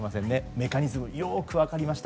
メカニズムよく分かりました。